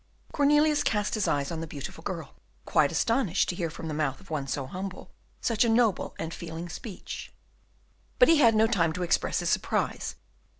Cornelius cast his eyes on the beautiful girl, quite astonished to hear from the mouth of one so humble such a noble and feeling speech. But he had no time to express his surprise.